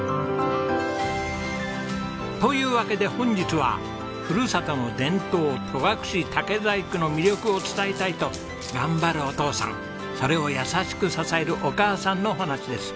というわけで本日はふるさとの伝統戸隠竹細工の魅力を伝えたいと頑張るお父さんそれを優しく支えるお母さんのお話です。